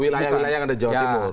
wilayah wilayah yang ada di jawa timur